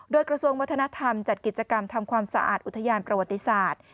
โดยกระทรวงวัฒนธรรมจัดกิจกรรมทำความสะอาดอุทยานประวัติศาสตร์